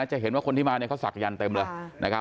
จะเห็นว่าคนที่มาเนี่ยเขาศักยันต์เต็มเลยนะครับ